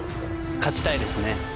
勝ちたいですね。